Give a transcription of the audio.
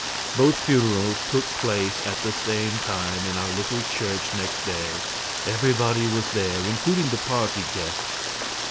Both funerals took place at the same time in our little church next day. Everybody was there, including the party guests.